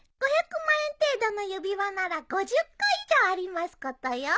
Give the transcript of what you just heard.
５００万円程度の指輪なら５０個以上ありますことよ。